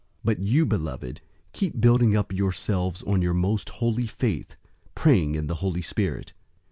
001:020 But you, beloved, keep building up yourselves on your most holy faith, praying in the Holy Spirit.